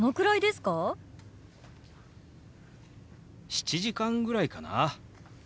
７時間ぐらいかな。